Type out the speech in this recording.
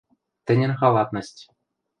Тӹньӹн халатность.